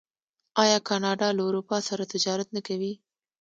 آیا کاناډا له اروپا سره تجارت نه کوي؟